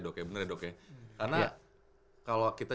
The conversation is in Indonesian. dok ya beneran dokenya karena kalau kita